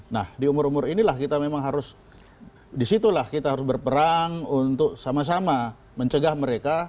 nah di umur umur inilah kita memang harus disitulah kita harus berperang untuk sama sama mencegah mereka